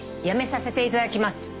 辞めさせていただきます。